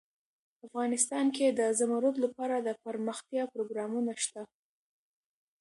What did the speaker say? افغانستان کې د زمرد لپاره دپرمختیا پروګرامونه شته.